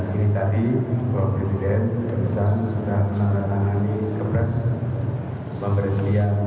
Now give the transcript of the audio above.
ini tadi bapak presiden sudah menandatangani kepres pemberhentian